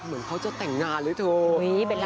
เหมือนเขาจะแต่งงานเลยเถอะ